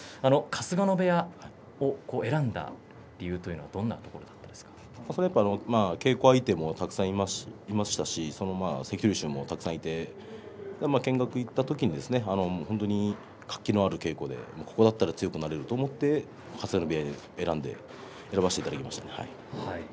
春日野部屋を選んだ理由というの稽古相手もたくさんいましたし関取衆もたくさんいて見学に行ったときに本当に活気のある稽古でここだったら強くなれると思って春日野部屋を選ばせていただきました。